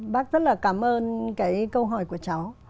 bác rất là cảm ơn cái câu hỏi của cháu